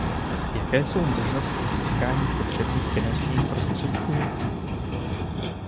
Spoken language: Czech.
Jaké jsou možnosti získání potřebných finančních prostředků?